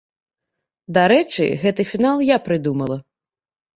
Дарэчы, гэты фінал я прыдумала!